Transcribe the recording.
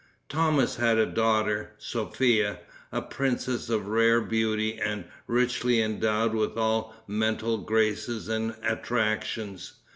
Thomas had a daughter, Sophia, a princess of rare beauty, and richly endowed with all mental graces and attractions.